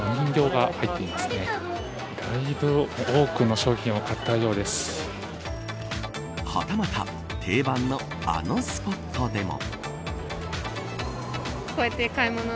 だいぶ多くの商品をはたまた定番のあのスポットでも。